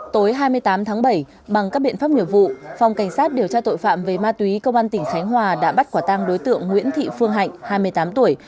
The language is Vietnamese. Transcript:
tối hai mươi tám tháng bảy bằng các biện pháp nghiệp vụ phòng cảnh sát điều tra tội phạm về ma túy công an tỉnh khánh hòa đã bắt quả tăng đối tượng nguyễn thị phương hạnh hai mươi tám tuổi